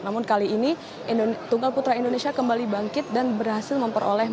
namun kali ini tunggal putra indonesia kembali bangkit dan berhasil memperoleh